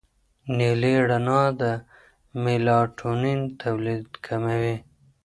نیلي رڼا د میلاټونین تولید کموي.